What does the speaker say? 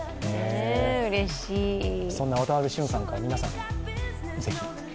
そんな渡部峻さんから皆さんに、ぜひ。